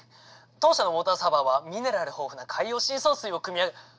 当社のウォーターサーバーはミネラル豊富な海洋深層水をくみ上げ。